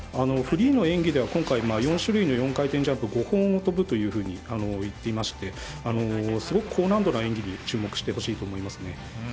フリーの演技では今回４種類の４回転ジャンプを５本を跳ぶと言っていましてすごく高難度な演技に注目してほしいと思いますね。